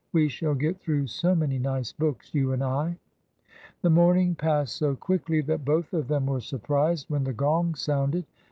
We shall get through so many nice books, you and I." The morning passed so quickly that both of them were surprised when the gong sounded.